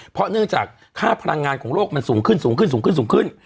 เพราะเนื่องจากค่าพลังงานของโลกมันสูงขึ้นสูงขึ้น